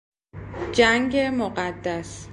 جنگ مقدس